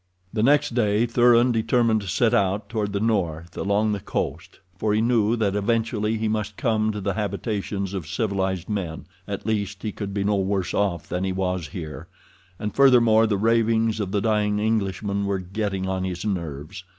The next day Thuran determined to set out toward the north along the coast, for he knew that eventually he must come to the habitations of civilized men—at least he could be no worse off than he was here, and, furthermore, the ravings of the dying Englishman were getting on his nerves.